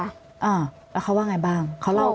อ่าแล้วเขาว่าไงบ้างเขาเล่า